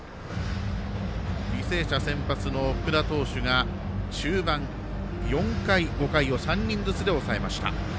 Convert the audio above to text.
履正社、先発の福田投手が中盤、４回５回を３人ずつで抑えました。